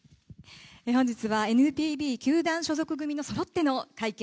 本日はＮＰＢ球団所属組のそろっての会見。